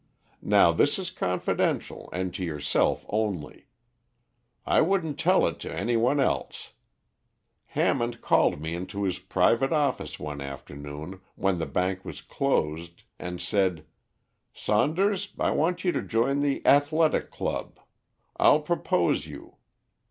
Now, this is confidential and to yourself only. I wouldn't tell it to any one else. Hammond called me into his private office one afternoon when the bank was closed, and said, 'Saunders, I want you to join the Athletic Club; I'll propose you.'